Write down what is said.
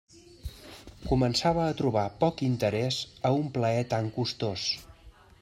Començava a trobar poc interès a un plaer tan costós.